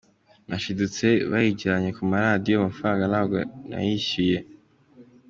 Nashidutse bayijyanye ku maradiyo, amafaranga ntabwo nayishyuwe.